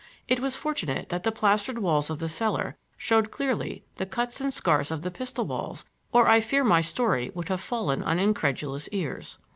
It was fortunate that the plastered walls of the cellar showed clearly the cuts and scars of the pistol balls or I fear my story would have fallen on incredulous ears.